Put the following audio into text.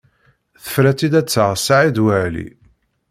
Tefra-tt-id ad taɣ Saɛid Waɛli.